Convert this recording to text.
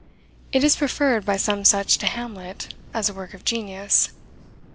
It is preferred by some such to Hamlet, as a work of genius.